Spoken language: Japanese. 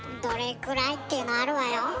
どれくらいっていうのあるわよ。